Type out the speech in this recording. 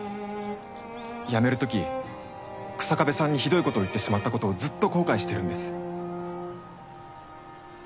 辞めるとき日下部さんにひどいことを言ってしまったことをずっと後悔してるんです。